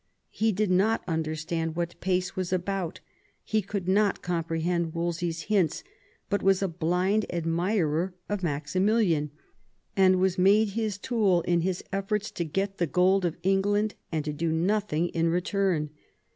He did not understand what Pace was about ; he could not comprehend Wolsey's hints, but was a blind admirer of Maximilian, and was made his tool in his efforts to get the gold of England and do nothing in return.